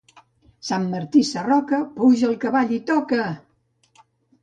Sant Martí Sarroca, puja a cavall i toca!